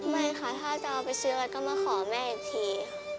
ไม่ค่ะถ้าจะเอาไปซื้ออะไรก็มาขอแม่อีกทีค่ะ